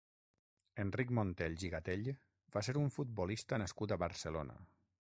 Enric Montells i Gatell va ser un futbolista nascut a Barcelona.